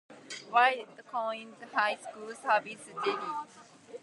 White Cone High School serves Jeddito.